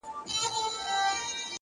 په داسي خوب ویده دی چي راویښ به نه سي،